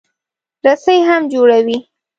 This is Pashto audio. رسۍ هم جوړوي.